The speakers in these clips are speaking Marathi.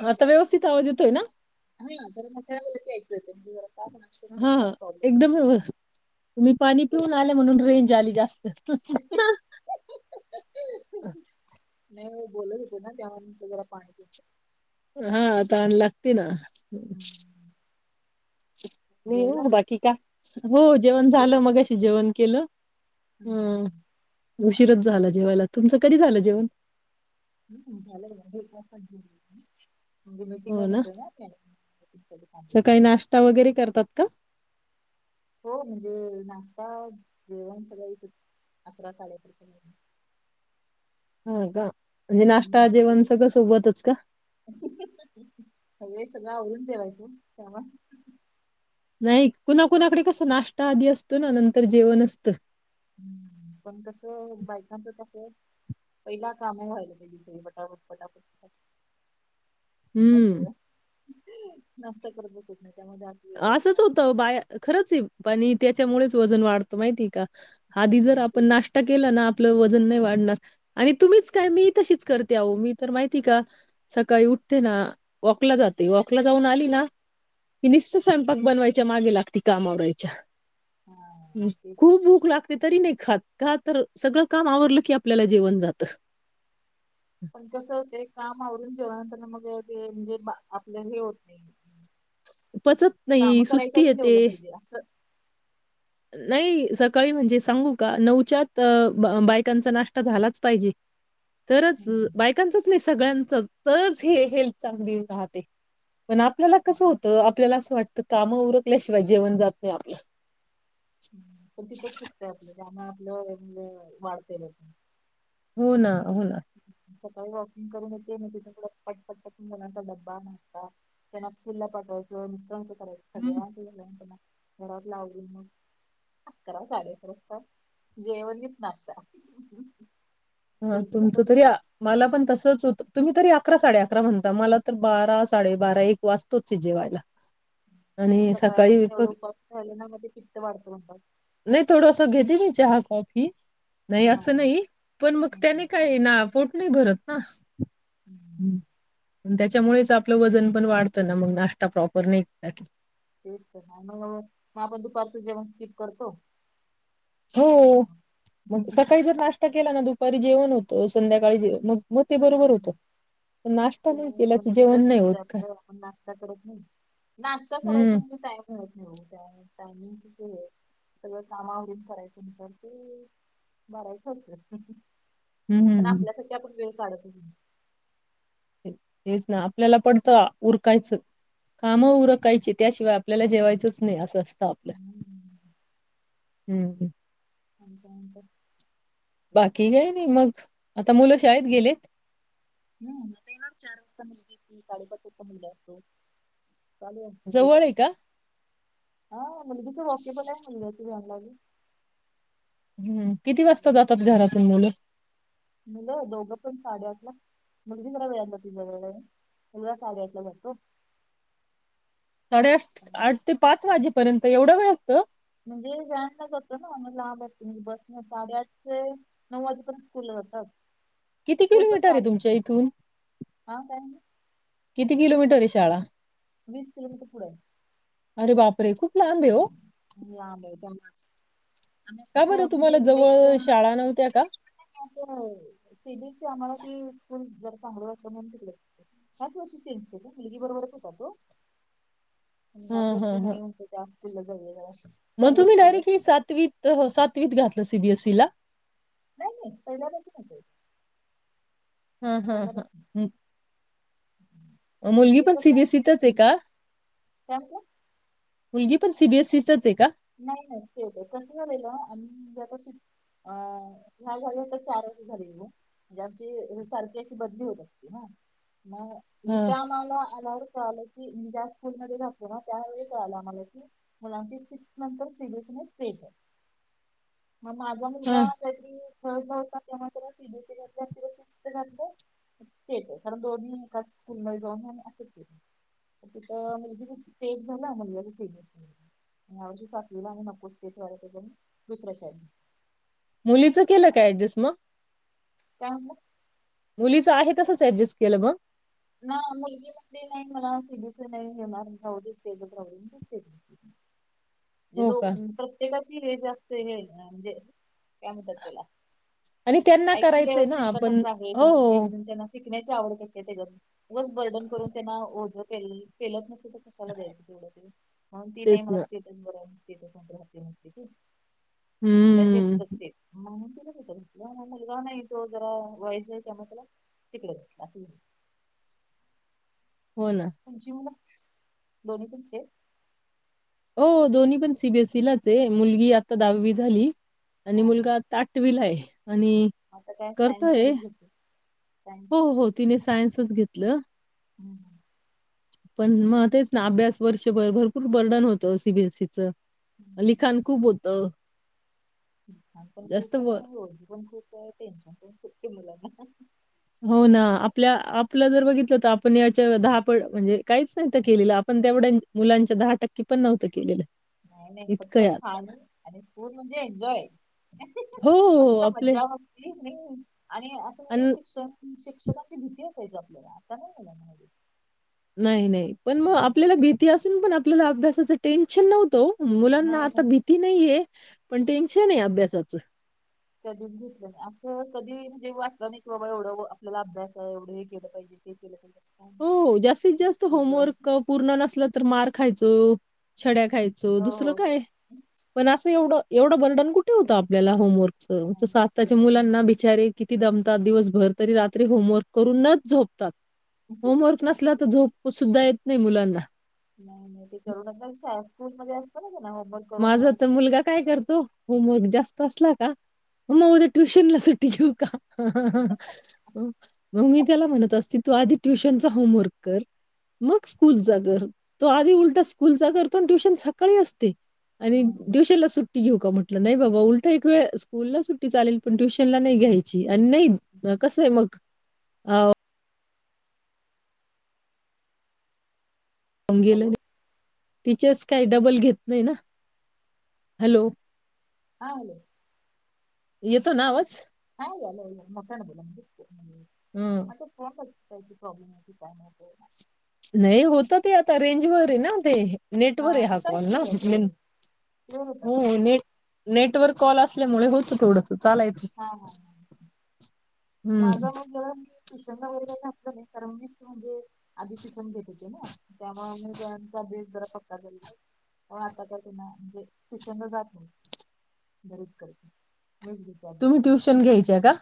आता व्यवस्थित आवाज येतोय ना? हा तर [unintelligible] हा एकदम व्यव तुम्ही पाणी बोला. पिऊन आले म्हणून रेंज आली जास्त नाही बोलत होते ना त्यामुळे त त्याला पाणी हाता आण लागते ना [unintelligible] जेवला मी बाकी का हो जेवण जेव झालं मग अशी जेवण केलं हम्म उशीरच झाला जेवायला तुमचं कधी झालं जेवण हम् झालं [unintelligible] हो ना नव्हते ते मीटिंगसाठी तर थांबलेले काही मी नाश्ता वगैरे करतात का हो म्हणजे नाश्ता जेवण सगळे अकरा साडे अकरा पर्यंत ह का म्हणजे नाश्ता जेवण [unintelligible] सगळं सोबतच का? सगळी सगळं आवरून ठेवायचं त्यावा नाही कुणाकुणाकडे कस नाश्ता आधी असतो ना नंतर जेवण असतं पण कसं बायकांच तस पहिला काम व्हायलं पायजेत सगळी पटापट पटापट पटापट हम्म नाशता करत बसत नाही त्यामध्ये आपली वेळ जाते असंच होतं बाय खरंच ए पाणी त्याच्यामुळेच वजन वाढतो माहितीय का आधी जर आपण कामामध्ये. नाश्ता केला ना आपलं व वजन नाही वाढणार आणि तुमीच काय मी तशीच करते आहो मी तर माहिती का सकाळी उठते ना वॉकला जाते वॉकला जाऊन आली ना की निस्त स्वयंपाक बनवायच्या मागे लागते काम आवडायच्या हा तेच खूप भूक लागते तरी नाही ख ख तर सगळं काम आवरलं की आपल्याला जेवण जात पण कसं होते कामवरून जेवण त्यांना मग ते म्हणजे आपल्या हे होत नाही पचत काम नाही करायच्या सुस्ती आधी येते जेवलं पाहिजे असं नाही सकाळी म्हणजे सांगू का नऊच्यात बायकांचा नाश्ता झालाच पाहिजे तरच हम्म. बायकांचच नाही सगळ्यां तरच हे हेल्थ चांगली राहते पण आपल्याला कसं हम्म. होतं आपल्याला असं वाटतं तर काम उरकल्याशिवाय जेवण जातय आपलं पण तिथंच चुकतं आपलं त्याना आपलं वाढतेल हो ना होव ना सकाळी वॉकिंग करून येते म ति पटपट पटून करण्याचा ड्बा नता त्यांना फिरला पाठवायच्या मिसण थना घरात लावली ना अकरा साडे अकराता जेवण येत ना अा हा तुमचं या मला पण तसच होत तुम्ही तरी अकरा साडे अकरा म्हणता मला तर बारा साडेबारा एक वाजतोच जेवायला. आणि सकाळी सकाळपासून एवढं मग उपाशी राहिले ना मग ते पित्त वाढत नता नाही थोडंसं घेते मी चहा कॉफी. नाही असं नाही. मग त्यानी हम्म. काही ना. पोट नाही भरत ना. हम्म. त्याच्यामुळेच आपलं वजन पण वाढतं, ना मग नाश्ता प्रॉपर नाही केला की. तेच तर मग मग आपण दुपारच जेवण स्किप करतो. हो मग सकाळीच नास्ता केला ना दुप दुपारी जेवण होतो संध्याकाळी जेव मग मग ते बरोबर होतं. पण नाश्ता ते नाही केला पण की जेवण नाही तिथंच होत का? आपल्या आपण नाश्ता करत नाही नाश्ता करायचा हम्म म्हणजे टाईमत हो त्या टायमिंगच आहे सगळं कामावरून करायचं नंतर ते भरायचं होत. हम्म पण हम्म. आपल्यासाठीारख आपण वेळ [unintelligible] का [unintelligible] [unintelligible] हेच ना, आपल्याला पडतं उरकायचं, कामं उरकायची. त्याशिवाय आपल्याला जेवायचंच नाही असं असतं. स्थपलं [unintelligible] हम्म हम्म- [inaudible] बाकी हे नाही. मग आता मुलं शाळेत गेलेत. हम् आता ये चार वाजता मुल त काडेपातर मु असतो [unintelligible] चाल खू जवळ आहे दिवस का? [unintelligible] हाव. मणल त सर वॉकेला म्हललं तझ [unintelligible] [unintelligible] हम्म, किती वाजता जातात घरातून मुलं. मुलं दोघं पण साडेआठला मग बी जरा वेळ जातो ज वळ उघा साडेआठला जातो [unintelligible] साडे आठ? आठ ते पाच वाजे- पर्यंत एवढं वेळ असतं. म्हणजे व्याला जातो ना लाब असतो म्हणजे बस न साडेआठ ते नऊ वाजेपर्यंत स्कूलला जातात [unintelligible] किती स्कूल पण किलोमीटर हे साडे तुमच्या इथून. हा काय म्हणले? किती किलोमीटर हे शाळा. वीस किलोमीटर पुढे [unintelligible] अरे बापरे! खूप- लांब आहे ओ. [unintelligible] लांब ये त्या मूळे ह [unintelligible] आम्या का बरं सो तुम्हाला म्हणजे जवळ शाळा नव्हत्या का? [unintelligible] आम्हाला ती स्कूल जरा चांगलं वाटलं म्हणून तिकडे ह्याच वर्षी चेंज केला मुलगी बरोबरच होता तो. आणि ह्याच हां, हां, वर्षी. हां. [unintelligible] स्कूलला जाऊ या जरा. मग चांगलं तुम्ही स्कूल डायरेक्टली आहे. सातवीतात हो सात वीत घातलं सि बी एसी ला? नाय नाय पहिला पासूनच आहे. हा हा हा पहिल्यापासून हम्म, मुलगी म्हणजे पण सी कसं बी एस सी तच आहे का? काय म्हटला? मुलगी, पण सी बी एस सी तच आहे का? नाही नाही स्टेट आहे, कसं झालेला आम्ही जे आता सी आ ह्या झाली आता चार वर्ष झालेलो म्हणजे आमची सारखी अशी बदली होत असती हा. [unintelligible] म हां, इथे आम्हाला अलाउड कॉल ती मी ज्या स्कूलमध्ये राहातो ना, त्यावेळी कळालं आम्हाला की मुलांची सिक्स नंतर सी बी एस सी नाय स्टेट आहे. म माझा मुलगा, हां. काहीतरी थर्डला होता तेव्हा त्याला सी बी एस सी ला घातला तिला सिक्स्थ घातलय स्टेट आहे, कारण दोन्ही एका स्कूल मध्ये जाऊन [unintelligible] तिथं मुलगीचा स्टेट झाला मुलग्याच्या सी बी एस सी या वर्षी सातवीला आणि नकोस स्टेट [unintelligible] दुसऱ्या शाळेत मुलीचं केलं काय ऍडजस्ट मग? काय हो? मुलीच आहे तसचं ऍडजस्ट केलं मग? नाय मुलगीमध्ये नाही झाला सी बी एस सी नाही होणार जाऊ दे स्टेटच राहू दे दिसते. म्हणजे हो दो का? प्रत्येकाची हे जास ते हे [unintelligible] म्हणजे काय म्हणतात त्याला आणि त्यांना आई क्यू करायचंय लेवल ना त्यांचा आपण कसं आहे हो, त्यांचे हो. म्हणून त्यांना शिक शिकण्याची आवड कशी आहे त्याच्यावरून वर बर्डन करून त्यांना ओझा केलं केलत नसत तिथं कशाला द्याचं तेवढ ते म्हणून ती तेच नाही मला ना. स्टेटस बरा आहेस. तिथं पण राहते म्हणते ती. तुला हं. जेपतस ते तिथच होतं म म मुलगा नाही तो जरा वयचा आहे त्यामुळे त्याला तिकडेच घातला असं हो ना. उंची म मग दोन्ही पण सेम हो दोन्ही पण सी बी एस सी लाच आहे मुलगी आता दहावी झाली आणि हा हा मुलगा आटवी ला आहे. आणि आता काय सायन्स करतोय साईडच घेतली हो सायन्स हो तिने सायन्स तच घेतलं. हम्म पण मग तेच ना अभ्यास वर्षभर भरपूर बर्डन होतं सीबीएसईचं लीखान खूप होतं दुान पण जास्त खूप व आहे रोजी पण खूप आहे टेन्शन पण खूप आहे मुलाला हो ना. आपल्या आपलं जर बघितलं आपण या दहा पण म्हणजे काहीच नाहीत केलेलं आपण तेवढ्या मुलांच्या दहा टक्के पण नव्हतं केलेलं नाही नाही इतकं फक्त आहे आता. खाणे आणि स्ूर म्हणजे एन्जॉय हो हो आपले नाही आणि असं म्हणजे अन शिक्षण प्रिककांची भीती असायची आपल्याला आता नाहीला मा नाही नाही पण मग आपल्याला भीती असून पण आपल्याला अभ्यासाचं टेन्शन नव्हतं नाही मुलांना आता नाही भीती नाहीये पण टेन्शन आहे अभ्यासाचं कधीच घेतलं नाही असं कधी म्हणजे वाटलं नाही कि बाबा एवढं आपल्याला अभ्यास आहे एवढं हे केलं पाहिजे ते केलं पाहिजे असं काय नाही. हो जास्तीत जास्त मस्त ग होमवर्क पूर्ण नसलं तर मार् खायचं छड्या खायच हो दुसरं हो काय हो. पण असं एवढं एवढं बर्डन कुठे हों आपल्याला होमवर्क नाही तस आत्ताच्या एवढं नाही मुलांना बिचारीे किती दमतात दिवसभर तरी रात्री होमवर्क करून नच झोपतात होमवर्क नसला तर झोप सुद्धा आहेत नाही मुलांना नाही नाही ते करू नदम स् स्कूमध्येध्ये असत का ना होमवर्क करून माझा यावं. तर मुलगा काय करतो होमवर्क जास्त असला का मग म उद्या ट्युशनला सुट्टी घेऊ का मग मी त्याला म्हणत असते तू आधी ट्युशनचा होमवर्क कर मग स्कूलचा कर तो आधी उलटा स्कूलचा करतो ट्युशन सकाळी असते आणि हम्म ट्युशनल सुट सुट्टी घेऊ का म्हटलं नाही बाबा उलट एक वेळ स्कूलला सुट्टी चालेल पण ट्युशनला नाही घ्यायची आणि नाही कसय मग अ अंगेले हॅलो टीचर्स काय डबल घेत नाही ना हॅलो हाल येतो ना आवाज हा यायलंय म्हणजे मोठण्यान बोला म हं ते को हो [unintelligible] नाही होत ते आता रेंज वरे ना ते, नेटवर आहे हा आता कॉल येतो ना बघा क्लिअर क्लिअर होत हो आता फुल ने नेटवर् कॉल असल्यामुळे होतं थोडं चालायचं हा हा हा. हम्म! ट्युशन ला वगैरेलं नाही कारण मी त म्हणजे आधी ट्युशन घेत होते ना! त्यामुळे आम्हीचा बेस आता त्यां म्हणजे, ट्युशन ला जात नाही घरीच करते म तुम्ही ट्युशन घ्यायचे का?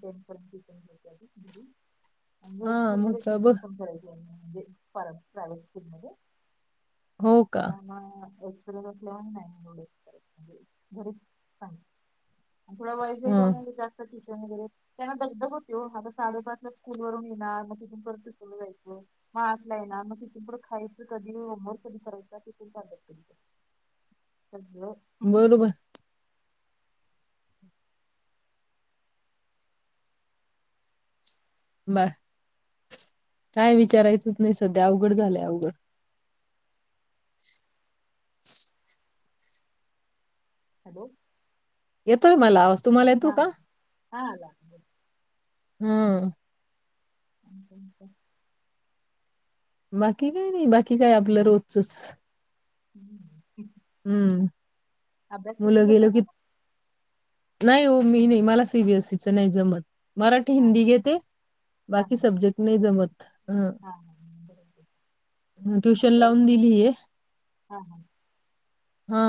[unintelligible] म [unintelligible] हा मग स्कूलमध्ये का ब टीचिंग पण करायच. म्हणजे पर प्रायवट स्कूलमध्ये. हो का हा हा [unintelligible] [unintelligible] त्यांना दग दग होते हो, आता साडेपाच ला स्कूल वरून येणार, मग तिथून परत ट्युशनला जायचं म आठला येणार, मग तिथून पुंढ खायचं कधी होमवर्क कधी करायचा तथून सात बरोबर. बा काय विचारायचंच नाही सध्या अवघड झालंय अवघड. हॅलो येतोय मला आवाज तुम्हाला येतो का नाही हा आला. हम्म! [unintelligible] बाकी काय नाही बाकी काय आपलं रोजचच. [unintelligible] हम्म! अभ्यास तुम्ही मुलं गेलो घेता की का? नाही हो मी नाही मला सीबीएसईचं नाही जमत. मराठी हा हिंदी घेते हा बाकी हा सब्जेक्ट नाही जमत. हा ट्युशन लावून [unintelligible] दिलीये. हा हा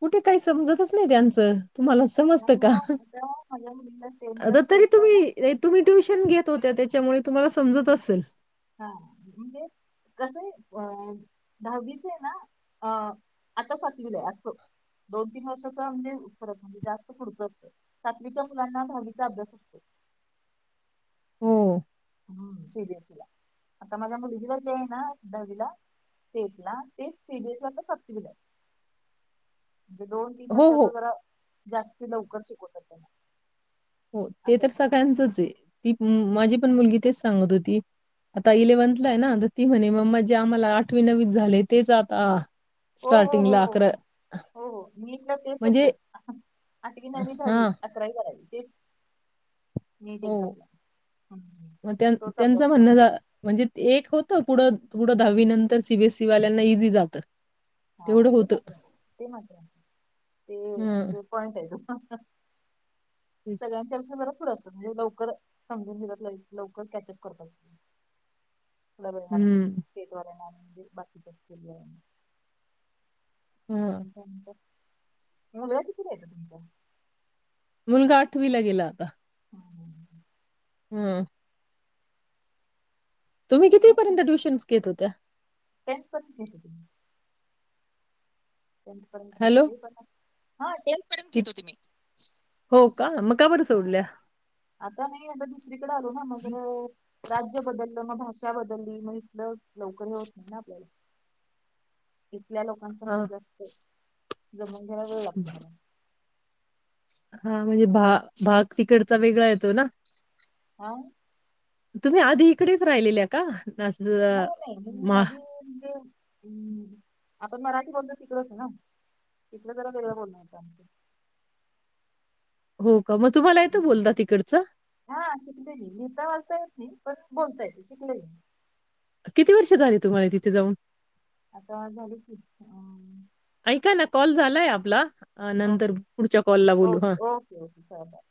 कुठे काही समजतच नाही त्यांचं. तुम्हाला समजत नाही का हो आता माझ्या मुलीला टेंथला आता तरी स्टेट ला ना तुम्ही तुम्ही ट्युशन घेत होत्या ते त्याच्या मुळे तुम्हाला समजत असल. हा म्हणजे कसं आहे अ दहावीचे ना अ आता सातवीला आहे अस दोन तीन वर्षाचा म्हणजे फरत म्हणजे जास्त पुढच असतं सातवीच्या मुलांना दहावीचा अभ्यास असतो. हो. हम्म सीबीएसइला आता माझ्या मुलगीला जे आहे ना दहावीला स्टेट ला तेच सीबीएसइ ला सातवीला आहे. म्हणे दोन तीन हो, वर्षा हो. जरा जास्ती दऊ [unintelligible] हो ते तर सगळ्यांचच आहे ती माझी पण मुलगी तेच सांगत होती आता इलेव्हन्थला आहे ना तर ती म्हणे जे आम्हाला आठवी नववी झाले तेच आता हो हो हो स्टार्टिंगला हो अकरा हो हो हो नीटला तेच होत म्हणजे आठवी नववी दहावी हा. अकरावी बारावी. तेच. नीट हो एक्झामला हम्म. म त्यांन तोच त्यांनचं म्हणणं अभ्यासक्रम झा म्हणजे एक होतं पुढं पुढ दहावी नंतर सीबीएसई वाल्यांना इझी जातं. हा तेवढं ते होतं. मात्र ते मात्र ते हं. म्हणजे पॉईंट आहे तो. हा हा तेच. सगळ्यांच्या पेक्षा जरा पुढ असतो. म्हणजे लवकर समजून घेतात लवकर कॅचअप करतात. हं. [unintelligible] म्हजे बाकीच्या स्किल [unintelligible] अ हां. [unintelligible] मुलगा कितीला येतो तुमचा? मुलगा आठवीला गेला आता. हम्म, हम्म, हम्म. हम्म तुम्ही कितीपर्यंत ट्युशन्स घेत होत्या. टेस्ट पण घेता [unintelligible] टेंथ पर्यंत घेत हॅलो. होते पण हा टेन्थपर्यंत की घेत होते मी. हो का? मग का बरं हा सोडल्या? आता नाही आता दुसरीकडे आलो ना मग राज्य बदललं मग भाग बदलली मग इथल लवकर हे होत नाही ना आपल्याला आपल्या लोकांचा हां. मजा असतय जमवून घ्यायला वेळ लागतो मला. हा म्हणजे भा भाग तिकडचा वेगळा येतो ना. आह तुम्ही आधी इकडेच राहिलेल्या का? असं नाही नाही म्हणजे मी मा आधी म्हणजे हम्म आपण मराठी बोलतो तिकडच ना इथलं जरा वेगळंच बोलण होतं आमचं हो का? मग तुम्हाला येतं बोलता तिकडचं? हा [unintelligible] लिहिता वाचता येत नाही पण बोलता येत शिकले किती वर्ष झाली तुम्हाला तिथे जाऊन आता झाली की ऐका ना कॉल झालाय आपला अ, नंतर ओके पुढच्या कॉलला ओ बोलू. हां. Okay ओकेच bye